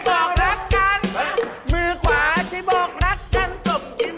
ขอบรมไม่ต้องอย่างนี้